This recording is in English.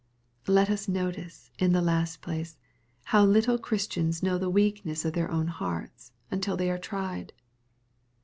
Let us notice, in the last place/ Tww little Christians know the weakness of their own hearts y until they are tried.)